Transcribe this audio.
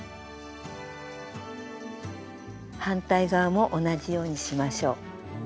反対側も同じようにしましょう。